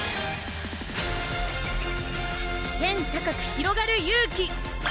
天高くひろがる勇気！